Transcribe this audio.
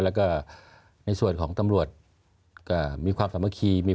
แล้วก็ในส่วนของตำรวจก็มีความสามัคคีมี